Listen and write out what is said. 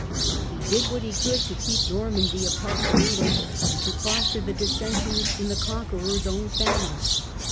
He did what he could to keep Normandy apart from England and to foster the dissen sions in the Conqueror's own family.